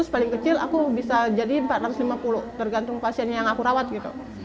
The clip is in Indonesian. paling kecil aku bisa jadi empat ratus lima puluh tergantung pasien yang aku rawat gitu